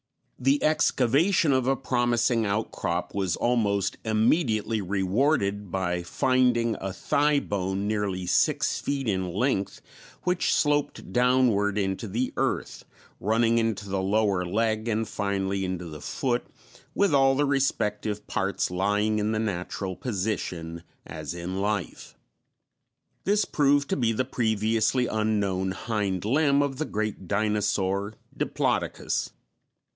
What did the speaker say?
The excavation of a promising outcrop was almost immediately rewarded by finding a thigh bone nearly six feet in length which sloped downward into the earth, running into the lower leg and finally into the foot, with all the respective parts lying in the natural position as in life. This proved to be the previously unknown hind limb of the great dinosaur Diplodocus.